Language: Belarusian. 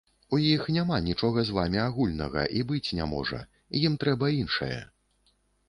У іх няма нічога з вамі агульнага і быць не можа, ім трэба іншае.